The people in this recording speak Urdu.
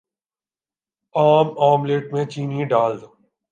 عام آملیٹ میں چینی ڈال دو